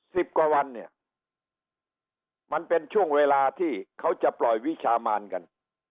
สิบกว่าวันเนี่ยมันเป็นช่วงเวลาที่เขาจะปล่อยวิชามานกัน